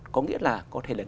có nghĩa là có thể lấy